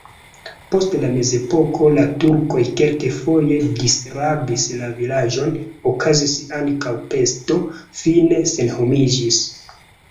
Post la mezepoko la turkoj kelkfoje disrabis la vilaĝon, okazis ankaŭ pesto, fine senhomiĝis.